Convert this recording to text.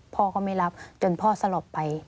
พ่อก็ไม่รับจนพ่อสลบไป